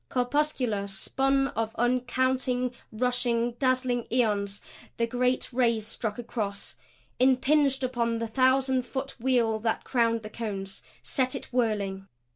Corpuscular, spun of uncounted rushing, dazzling ions the great rays struck across, impinged upon the thousand foot wheel that crowned the cones; set it whirling.